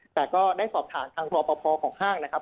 แต่ก็ได้สอบถามทางรอปภของห้างนะครับ